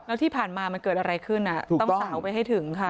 แล้วที่ผ่านมามันเกิดอะไรขึ้นต้องสาวไปให้ถึงค่ะ